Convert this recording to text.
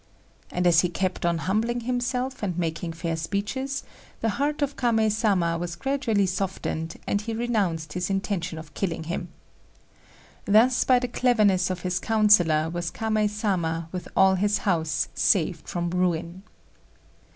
And as he kept on humbling himself and making fair speeches, the heart of Kamei Sama was gradually softened, and he renounced his intention of killing him. Thus by the cleverness of his councillor was Kamei Sama, with all his house, saved from ruin.